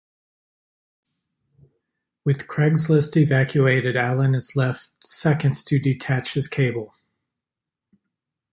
With Craigsville evacuated, Alan is left seconds to detach his cable.